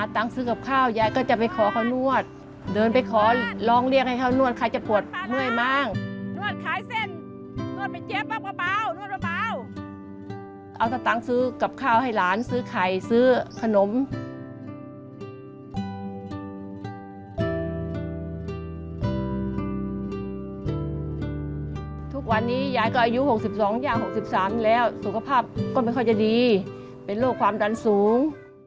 ทุกวันนี้ยายก็อายุ๖๒ย่า๖๓แล้วสุขภาพก็ไม่ค่อยจะดีเป็นโรคความดันสูง